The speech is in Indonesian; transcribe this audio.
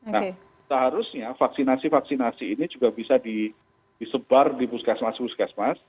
nah seharusnya vaksinasi vaksinasi ini juga bisa disebar di puskesmas puskesmas